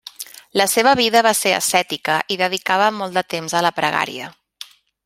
La seva vida va ser ascètica i dedicava molt de temps a la pregària.